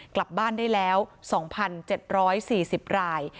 กลับบ้านได้แล้ว๒๗๔๐ราย